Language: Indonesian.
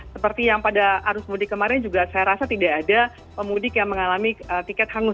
seperti yang pada arus mudik kemarin juga saya rasa tidak ada pemudik yang mengalami tiket hangus